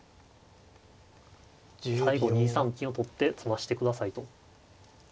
最後２三金を取って詰ましてくださいと。